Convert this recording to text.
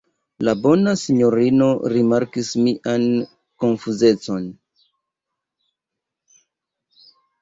La bona sinjorino rimarkis mian konfuzecon.